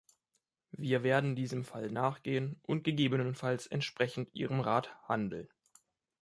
Wir werden diesem Fall nachgehen und gegebenenfalls entsprechend Ihrem Rat handeln.